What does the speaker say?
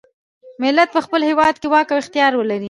ملت په خپل هیواد کې واک او اختیار ولري.